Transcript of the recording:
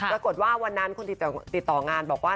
ปรากฏว่าวันนั้นคนที่ติดต่องานบอกว่า